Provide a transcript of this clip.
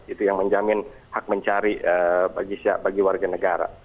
itu yang menjamin hak mencari bagi warga negara